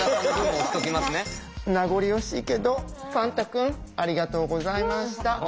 名残惜しいけどファンタ君ありがとうございました。